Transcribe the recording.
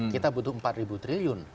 kita butuh empat triliun